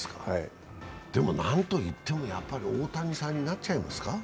でも何といっても大谷さんになっちゃいますか？